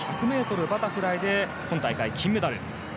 １００ｍバタフライで今大会、金メダル。